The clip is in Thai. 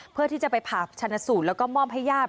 เพื่อที่จะไปผาชานสู่แล้วก็ม่อมพยาบ